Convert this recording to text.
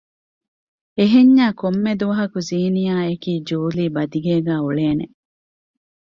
އެހެންޏާ ކޮންމެދުވަހަކު ޒީނިޔާ އެކީ ޖޫލީ ބަދިގޭގައި އުޅޭނެ